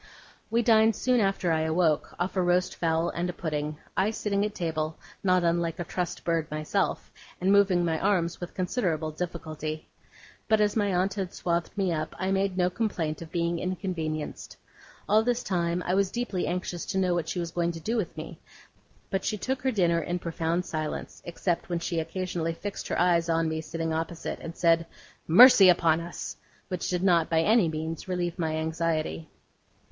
We dined soon after I awoke, off a roast fowl and a pudding; I sitting at table, not unlike a trussed bird myself, and moving my arms with considerable difficulty. But as my aunt had swathed me up, I made no complaint of being inconvenienced. All this time I was deeply anxious to know what she was going to do with me; but she took her dinner in profound silence, except when she occasionally fixed her eyes on me sitting opposite, and said, 'Mercy upon us!' which did not by any means relieve my anxiety.